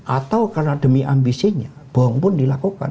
atau karena demi ambisinya bohong pun dilakukan